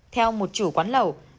theo một chủ quán lầu